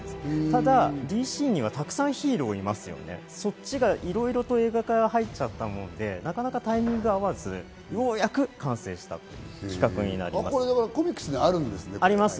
ただＤＣにはたくさんヒーローがいますよね、そっちが、いろいろと映画化入っちゃったもので、なかなかタイミングが合わず、ようやく完成したんです。